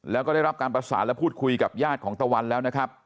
แล้วก็ได้รับการประสานและพูดคุยกับญาติของตะวันแล้วนะครับ